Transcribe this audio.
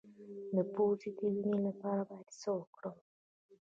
د پوزې د وینې لپاره باید څه وکړم؟